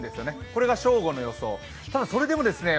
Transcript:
これが正午の予想。